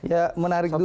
ya menarik dulu